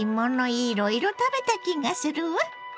いろいろ食べた気がするわ。